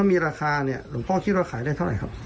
ถ้ามีราคาหลวงต้องคิดว่าขายได้เท่าไหร่ครับ